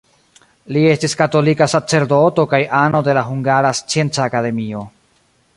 Li estis katolika sacerdoto kaj ano de la Hungara Scienca Akademio.